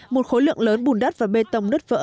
một khối lượng lớn bùn đất và bê tông nứt vỡ